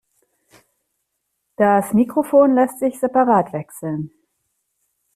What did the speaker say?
Das Mikrofon lässt sich separat wechseln.